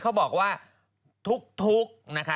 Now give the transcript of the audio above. เขาบอกว่าทุก